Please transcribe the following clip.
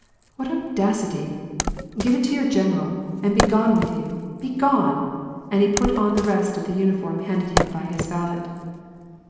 ^ What audacity ! Give it to your general. And begone with you, begone." And he began to put on the rest of the uniform handed to him by his valet.